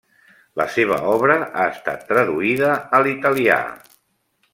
La seva obra ha estat traduïda a l'italià.